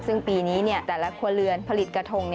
ซึ่งปีนี้แต่ละครัวเรือนผลิตกระทง